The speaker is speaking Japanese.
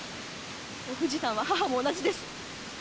お藤さんは母も同じです！